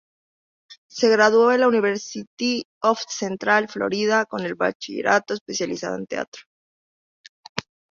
Se graduó en la University of Central Florida con el bachillerato especializado en teatro.